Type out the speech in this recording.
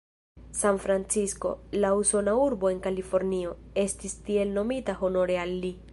Sanfrancisko, la usona urbo en Kalifornio, estis tiel nomita honore al li.